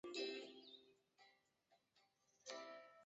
南北两侧分别与睦南道和常德道平行。